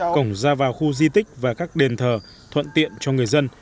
cổng ra vào khu di tích và các đền thờ thuận tiện cho người dân